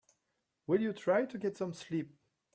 Will you try to get some sleep?